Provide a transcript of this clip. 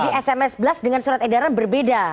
jadi sms blast dengan surat edaran berbeda